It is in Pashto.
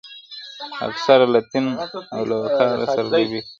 اکثر له دین او له وقاره سره لوبي کوي-